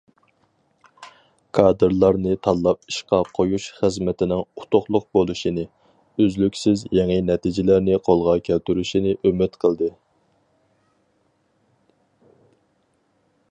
كادىرلارنى تاللاپ ئىشقا قويۇش خىزمىتىنىڭ ئۇتۇقلۇق بولۇشىنى، ئۈزلۈكسىز يېڭى نەتىجىلەرنى قولغا كەلتۈرۈشىنى ئۈمىد قىلدى.